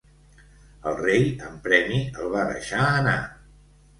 El rei, en premi, el va deixar anar.